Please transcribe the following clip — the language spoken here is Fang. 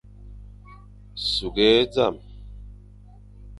Sughʼé zame,